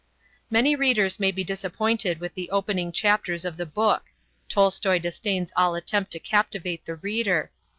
Many readers may be disappointed with the opening chapters of the book. Tolstoi disdains all attempt to captivate the reader.